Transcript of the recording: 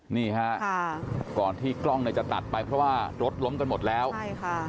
นี่ฮะค่ะก่อนที่กล้องเนี่ยจะตัดไปเพราะว่ารถล้มกันหมดแล้วใช่ค่ะ